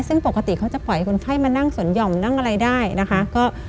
ซึ่งปกติเขาจะปล่อยคนไข้มานั่งสนห่อมนั่งอะไรได้นะคะ